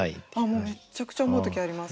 もうめっちゃくちゃ思う時あります。